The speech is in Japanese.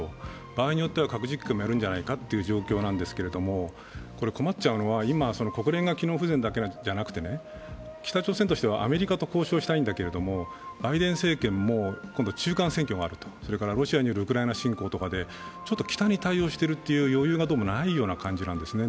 場合によっては核実験もやるんじゃないかという状況なんですけど困っちゃうのは今、国連が機能不全なだけではなくて、北朝鮮としてはアメリカと交渉したいんだけれども、バイデン政権も今度中間選挙がある、それからロシアによるウクライナ侵攻とかで、ちょっと北に対応している余裕がどうもないような感じなんですね。